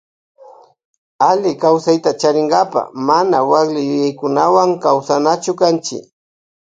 Allikawsayta charinkapa mana wakli yuyaykunawan kawsanachu kanchi.